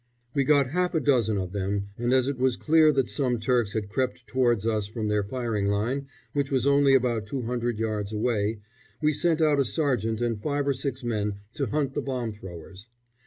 We got half a dozen of them, and as it was clear that some Turks had crept towards us from their firing line, which was only about 200 yards away, we sent out a sergeant and five or six men to hunt the bomb throwers.